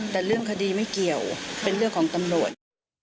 แต่เรื่องคดีไม่เกี่ยวเป็นเรื่องของตำรวจ